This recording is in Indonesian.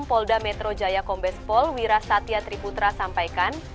polda metro jaya kombespol wiras satya triputra sampaikan